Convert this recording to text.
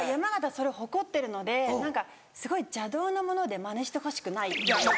それ誇ってるので何かすごい邪道なものでマネしてほしくない。